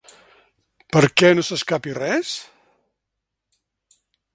Per què no s’escapi res?